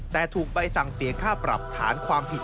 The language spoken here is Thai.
แต่ถูกใบสั่งเสียค่าปรับฐานความผิด